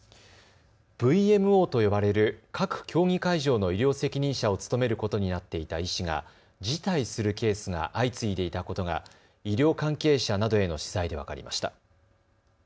ＶＭＯと呼ばれる各競技会場の医療責任者を務めることになっていた医師が辞退するケースが相次いでいたことが医療関係者などへの取材で分かりました。